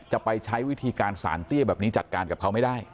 จะไปใช้วิธีการสารเตี้ยแบบนี้จัดการกับเขาไม่ได้